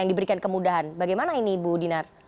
yang diberikan kemudahan bagaimana ini bu dinar